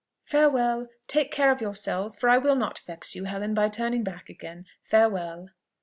Farewell! Take care of yourselves; for I will not vex you, Helen, by turning back again. Farewell!"